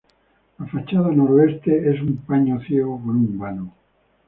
La fachada noroeste es un paño ciego con un vano.